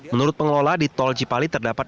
menurut pengelola di tol cipali terdapat